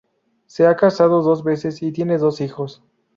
Se ha casado dos veces y tiene dos hijos.